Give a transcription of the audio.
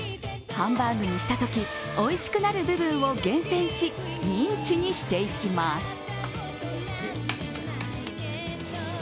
ハンバーグにしたとき、おいしくなる部分を厳選しミンチにしていきます。